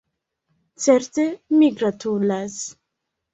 Certe, ni gratulas.